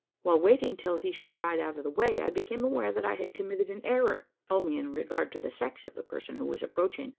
While waiting till he should ride out of the way, I became aware that I had committed an error only in regard to the sex of the person who was approaching.